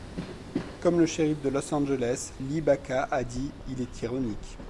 Comme le shérif de Los Angeles, Lee Baca a dit, il est ironique.